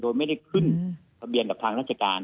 โดยไม่ได้ขึ้นทะเบียนกับทางราชการ